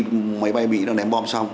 máy bay mỹ đang ném bom xong thì